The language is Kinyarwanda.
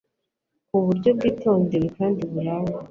ku buryo bwitondewe kandi burangwa